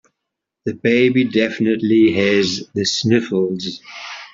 The baby definitely has the sniffles.